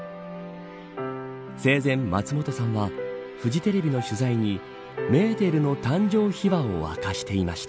生前、松本さんはフジテレビの取材にメーテルの誕生秘話を明かしていました。